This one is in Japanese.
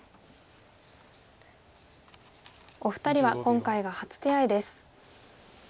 お二人は今回が初手合です。